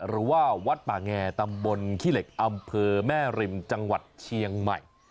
หรือว่าวัดป่าแงตำบลขี้เหล็กอำเภอแม่ริมจังหวัดเชียงใหม่